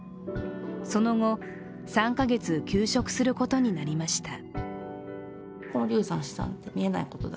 その後、３か月休職することになりました。